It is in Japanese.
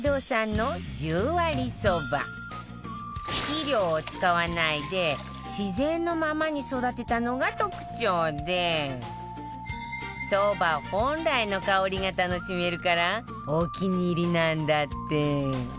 肥料を使わないで自然のままに育てたのが特徴でそば本来の香りが楽しめるからお気に入りなんだって